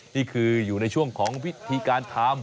นี่คืออยู่ในช่วงของวิธีการทำ